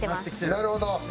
なるほど！